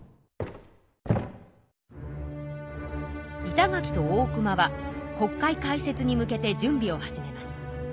板垣と大隈は国会開設に向けて準備を始めます。